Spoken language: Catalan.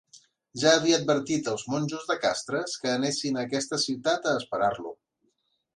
Ja havia advertit als monjos de Castres que anessin a aquesta ciutat a esperar-lo.